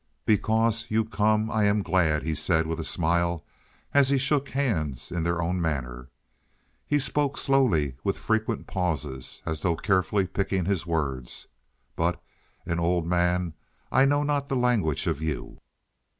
"Because you come I am glad," he said with a smile, as he shook hands in their own manner. He spoke slowly, with frequent pauses, as though carefully picking his words. "But an old man I know not the language of you."